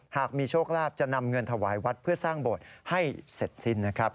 หากมีโชคลาภจะนำเงินถวายวัดเพื่อสร้างโบสถ์ให้เสร็จสิ้นนะครับ